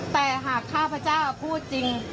แต่หากข้าพเจ้าพูดจริง